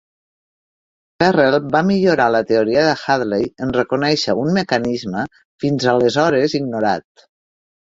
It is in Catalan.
Ferrel va millorar la teoria de Hadley en reconèixer un mecanisme fins aleshores ignorat.